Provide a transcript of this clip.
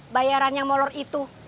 bayarannya molor itu